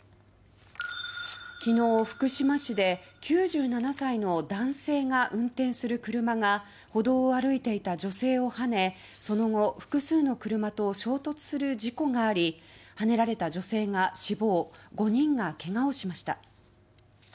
昨日、福島市で９７歳の男性が運転する車が歩道を歩いていた女性をはねその後複数の車と衝突する事故がありはねられた女性が死亡５人がけがをしました。